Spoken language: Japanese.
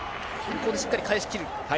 ここでしっかり返しきる。